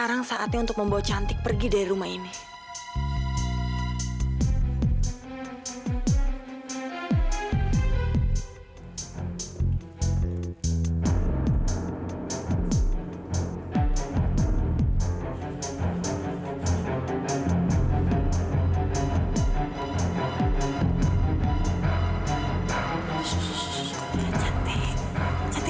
angka bahkan raksasa